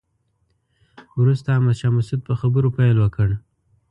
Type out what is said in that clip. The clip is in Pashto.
وروسته احمد شاه مسعود په خبرو پیل وکړ.